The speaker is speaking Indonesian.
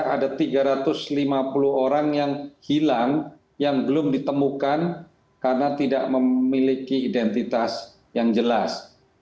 ada tiga ratus lima puluh orang yang hilang yang belum ditemukan karena tidak memiliki identitas yang jelas